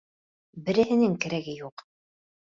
Береһенең кәрәге юҡ!